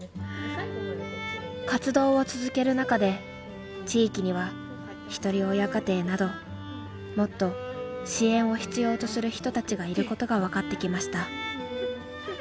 活動を続ける中で地域にはひとり親家庭などもっと支援を必要とする人たちがいることが分かってきました。